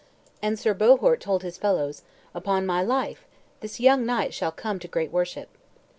And Sir Bohort told his fellows, "Upon my life, this young knight shall come to great worship."